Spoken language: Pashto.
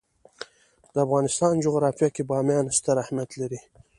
د افغانستان جغرافیه کې بامیان ستر اهمیت لري.